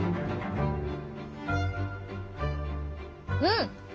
うん！